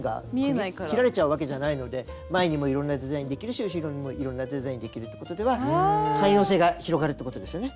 切られちゃうわけじゃないので前にもいろんなデザインできるし後ろにもいろんなデザインできるってことでは汎用性が広がるってことですよね。